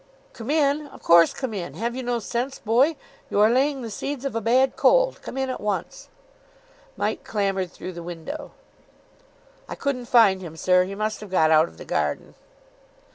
"Come in! Of course, come in. Have you no sense, boy? You are laying the seeds of a bad cold. Come in at once." Mike clambered through the window. "I couldn't find him, sir. He must have got out of the garden."